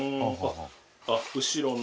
あっ後ろの。